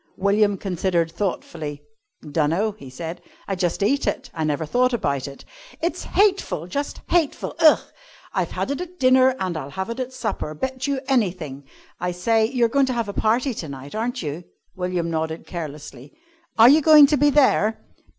William considered thoughtfully. "Dunno," he said. "I just eat it; I never thought about it." "It's hateful, just hateful. Ugh! I've had it at dinner and I'll have it at supper bet you anything. I say, you are going to have a party to night, aren't you?" William nodded carelessly. "Are you going to be there?"